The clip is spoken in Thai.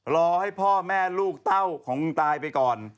รอให้พ่อแม่ลูกเต้าของคุณตายไปก่อน